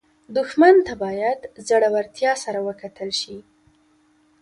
دښمن ته باید زړورتیا سره وکتل شي